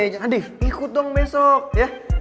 adik ikut dong besok ya